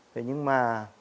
thế nhưng mà